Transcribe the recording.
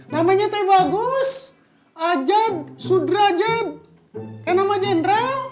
namanya bagus aja sudra jed